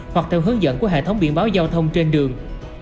hoặc theo hướng dẫn của hệ thống biển báo giao thông trên đường